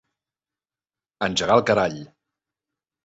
Engegar al carall.